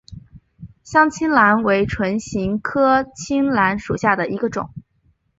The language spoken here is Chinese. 香青兰为唇形科青兰属下的一个种。